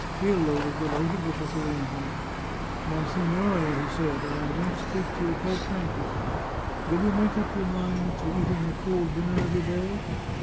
Grillo was delighted with this arrangement. " Monsignore," he said, " I am going to speak to you quite frankly. Will you make up your mind to eating a cold dinner every day?